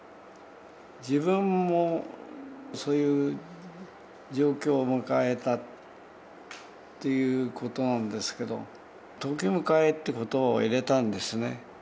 自分もそういう状況を迎えたということなんですけど、時迎へということを入れたんですね。